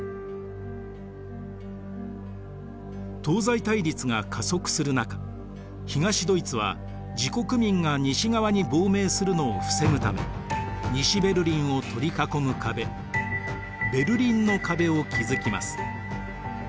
東西対立が加速する中東ドイツは自国民が西側に亡命するのを防ぐため西ベルリンを取り囲む壁ベルリンの壁を築きます。